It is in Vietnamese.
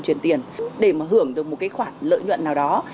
chuyển tiền để mà hưởng được một cái khoản lợi nhuận nào đó